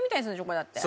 これだって。